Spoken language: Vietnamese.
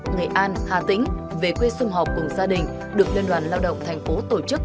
nghệ an hà tĩnh về quê xung họp cùng gia đình được liên đoàn lao động tp tổ chức